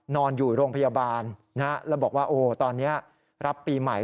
นอนอยู่โรงพยาบาลแล้วบอกว่าโอ้ตอนนี้รับปีใหม่